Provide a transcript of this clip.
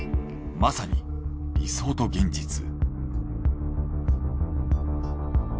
まさに理想と現実。